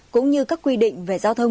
cũng như các quy định về an toàn giao thông